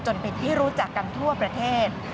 จนเป็นที่รู้จักกันทั่วประเทศ